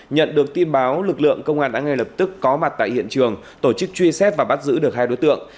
nhận được tin báo lực lượng công an đã ngay lập tức có mặt tại hiện trường tổ chức truy xét và bắt giữ được hai đối tượng